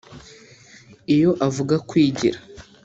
Iyo avuga kwigira